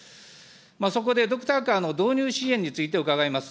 そこでドクターカーの導入支援について伺います。